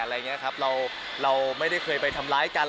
เราไม่ได้เคยไปทำร้ายกัน